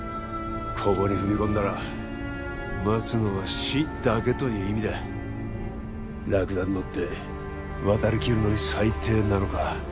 ここに踏み込んだら待つのは死だけという意味だラクダに乗って渡りきるのに最低７日